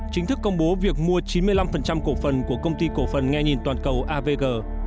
chính thức công bố việc mua chín mươi năm cổ phần của công ty cổ phần nghe nhìn toàn cầu avg